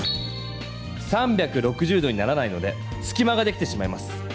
３６０度にならないのですきまができてしまいます。